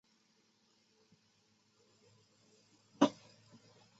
历官广西阳朔县知县。